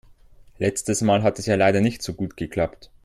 Letztes Mal hat es ja leider nicht so gut geklappt.